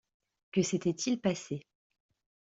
Que s’était-il passé